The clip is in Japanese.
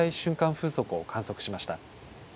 風速を観測しました。